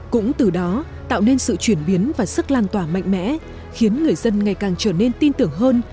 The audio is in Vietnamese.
cũng từ đó tạo nên sự chuyển biến và sức lan tỏa mạnh mẽ khiến người dân ngày càng trở nên tin tưởng hơn